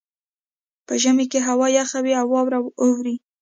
په ژمي کې هوا یخه وي او واوره اوري